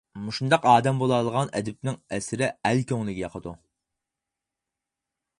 مۇشۇنداق ئادەم بولالىغان ئەدىبنىڭ ئەسىرى ئەل كۆڭلىگە ياقىدۇ.